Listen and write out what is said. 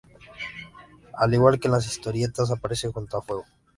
Al igual que en las historietas, aparece junto a Fuego.